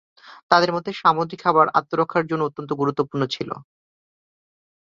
তাদের মতে, সামুদ্রিক খাবার আত্মরক্ষার জন্য অত্যন্ত গুরুত্বপূর্ণ ছিল।